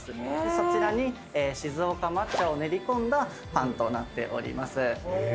そちらに静岡抹茶を練り込んだパンとなっております。